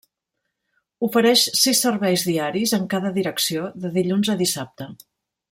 Ofereix sis serveis diaris en cada direcció, de dilluns a dissabte.